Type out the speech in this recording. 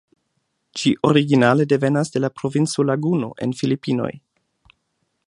Ĝi originale devenas de la provinco Laguno en Filipinoj.